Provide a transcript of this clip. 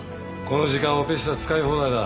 この時間オペ室は使い放題だ。